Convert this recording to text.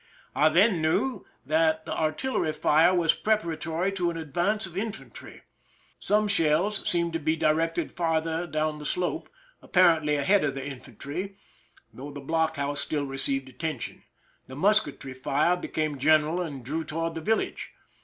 I then knew that the artillery fire was preparatory to an advance of infantry. Some shells seemed to be directed farther down the slope, apparently ahead of the infantry, though the block house still received attention. The musketry fire became general and drew toward the village.